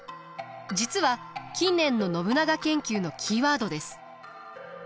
実は近年の信長研究のキーワードです。